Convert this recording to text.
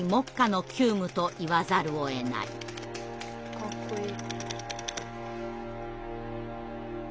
かっこいい。